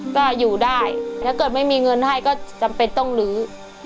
ก็อยู่ได้ถ้าเกิดไม่มีเงินให้ก็จำเป็นต้องลื้อ